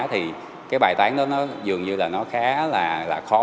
thì cái bài tán đó nó dường như là nó khá là khó